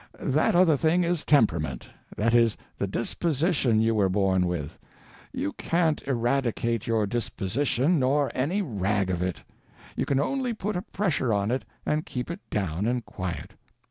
That other thing is _temperament _—that is, the disposition you were born with. _You can't eradicate your disposition nor any rag of it _—you can only put a pressure on it and keep it down and quiet.